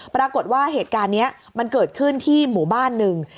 ปรากฏว่าเหตุการณ์นี้มันเกิดขึ้นที่หมู่บ้านหนึ่ง